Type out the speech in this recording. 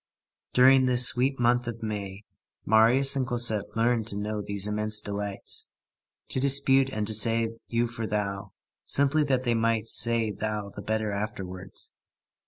During this sweet month of May, Marius and Cosette learned to know these immense delights. To dispute and to say you for thou, simply that they might say thou the better afterwards.